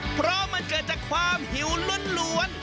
เพราะมันเกิดจากความหิวล้วน